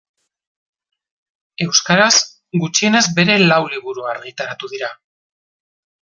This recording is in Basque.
Euskaraz gutxienez bere lau liburu argitaratu dira.